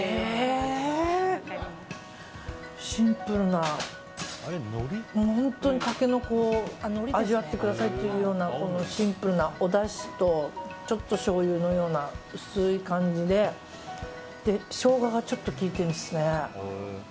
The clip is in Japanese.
シンプルな、本当にタケノコを味わってくださいというようなシンプルなおだしとちょっとしょうゆのような薄い感じでショウガがちょっと効いているんですね。